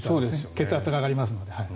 血圧が上がりますので。